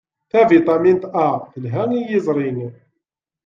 Tavitamint A telha i yiẓri.